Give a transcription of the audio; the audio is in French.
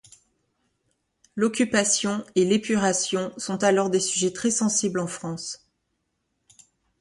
L'occupation et l'épuration sont alors des sujets très sensibles en France.